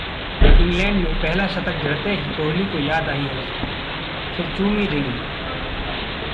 England में पहला शतक जड़ते ही कोहली को याद आईं अनुष्का, फिर चूमी रिंग